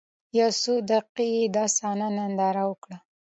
يو څو دقيقې يې دا صحنه ننداره وکړه.